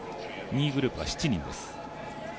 ２位グループは７人です。